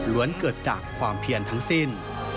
เกิดจากความเพียนทั้งสิ้น